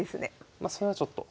まそれはちょっと。